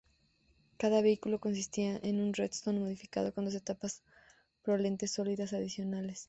Cada vehículo consistía en un Redstone modificado con dos etapas de propelente sólido adicionales.